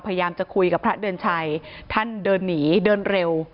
พยายามจะคุยกับพระเดือนชัยท่านเดินหนีเดินเร็ว